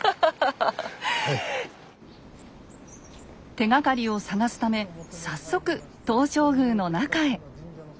手がかりを探すため早速東照宮の中へ。